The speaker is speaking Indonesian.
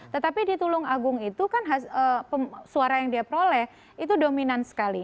tetapi di tulung agung itu kan suara yang dia peroleh itu dominan sekali